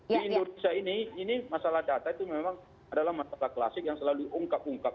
di indonesia ini masalah data itu memang adalah masalah klasik yang selalu diungkap ungkap